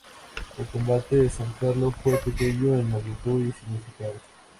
El combate de San Carlos fue pequeño en magnitud y significado.